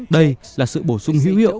đây là sự bổ sung hữu hiệu